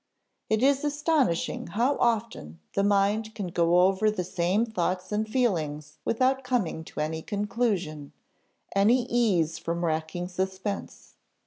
It is astonishing how often the mind can go over the same thoughts and feelings without coming to any conclusion, any ease from racking suspense.